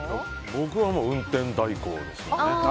僕は運転代行ですよね。